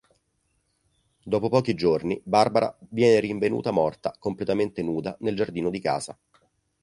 Dopo pochi giorni Barbara viene rinvenuta morta, completamente nuda, nel giardino di casa.